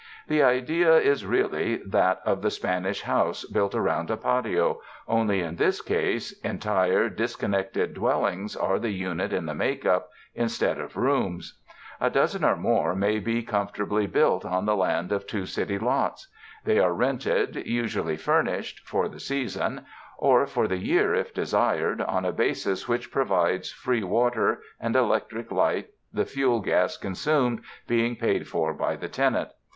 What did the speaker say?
The idea is really that of the Spanish house built around a patio, only in this case entire, dis connected dwellings, are the unit in the make up, in stead of rooms. A dozen or more may be comfort 245 UNDER THE SKY IN CALIFORNIA ably built on the land of two city lots. They are rented, usually furnished, for the season, or for the year if desired, on a basis which provides free water and electric light, the fuel gas consumed being paid for by the tenant.